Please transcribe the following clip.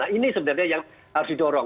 ini sebenarnya yang harus didorong